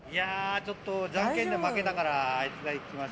ちょっと、じゃんけんで負けたから、あいつが行きます。